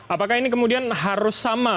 apakah ini kemudian harus sama